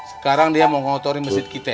sekarang dia mau ngotori masjid kita